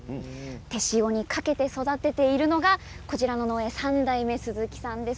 手塩にかけて育てているのが３代目、鈴木さんです。